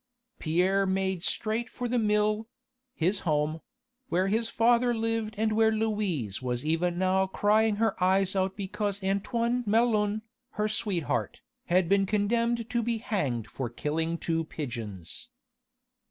Pierre made straight for the mill his home where his father lived and where Louise was even now crying her eyes out because Antoine Melun, her sweetheart, had been condemned to be hanged for killing two pigeons.